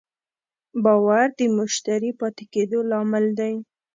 باور د مشتری پاتې کېدو لامل دی.